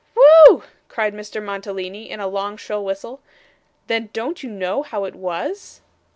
'Whew!' cried Mr. Mantalini in a long shrill whistle. 'Then don't you know how it was?